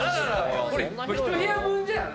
これ１部屋分じゃん。